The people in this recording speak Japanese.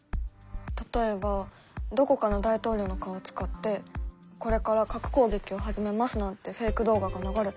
例えばどこかの大統領の顔を使って「これから核攻撃を始めます」なんてフェイク動画が流れたら。